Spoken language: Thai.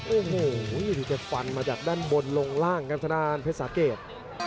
โอ้โหดูแกฟันมาจากด้านบนลงล่างครับทางด้านเพชรสาเกต